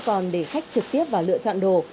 còn để khách trực tiếp vào lựa chọn đồ